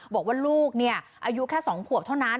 บอกว่าลูกอายุแค่๒ขวบเท่านั้น